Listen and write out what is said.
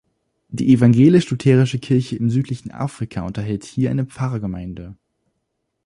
Die Evangelisch-Lutherische Kirche im Südlichen Afrika unterhält hier eine Pfarrgemeinde.